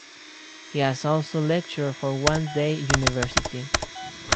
He has also lectured for One Day University.